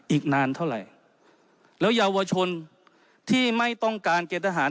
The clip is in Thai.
อีกนานเท่าไหร่แล้วเยาวชนที่ไม่ต้องการเกณฑ์ทหาร